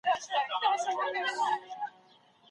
که څوکۍ وي نو زده کوونکی نه ستړی کیږي.